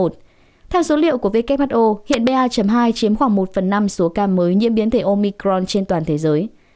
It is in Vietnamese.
theo số liệu của who hiện ba hai chiếm khoảng một phần năm số ca mới nhiễm biến thể omicron trên toàn thế giới